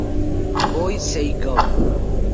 Boys Say Go!